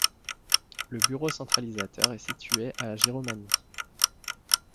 Le bureau centralisateur est situé à Giromagny.